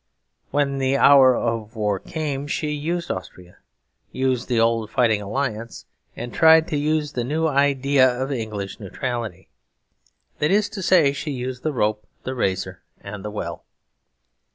When the hour of war came she used Austria, used the old fighting alliance and tried to use the new idea of English neutrality. That is to say, she used the rope, the razor, and the well.